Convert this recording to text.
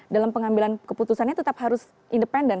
dalam pengambilan keputusannya tetap harus independen